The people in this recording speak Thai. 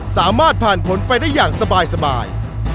สามารถผ่านผลไปได้อย่างสบาย